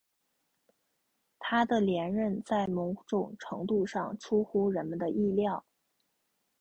他的连任在某种程度上出乎人们的意料。